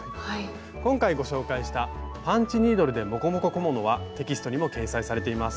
今回ご紹介したパンチニードルでモコモコ小物はテキストにも掲載されています。